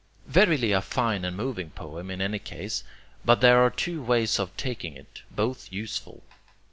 Verily a fine and moving poem, in any case, but there are two ways of taking it, both useful.